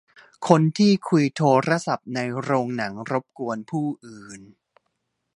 คนที่คุยโทรศัพท์ในโรงหนังรบกวนผู้อื่น